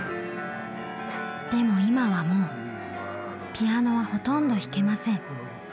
でも今はもうピアノはほとんど弾けません。